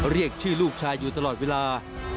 เรียกชื่อลูกชายอยู่ตลอดเวลา